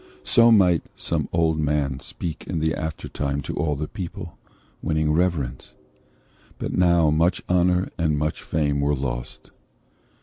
So might some old man speak in the aftertime To all the people, winning reverence. But now much honour and much fame were lost."